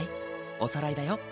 おさらいだよ。